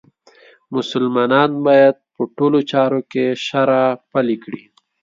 مسلمان باید په ټولو چارو کې شرعه پلې کړي.